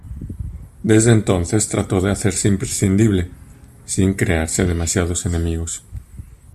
Desde entonces, trató de hacerse imprescindible, sin crearse demasiados enemigos.